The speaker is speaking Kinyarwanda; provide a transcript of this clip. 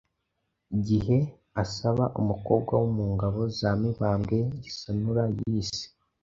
gihe, asaba umukobwa wo mu ngabo za Mibambwe Gisanura yise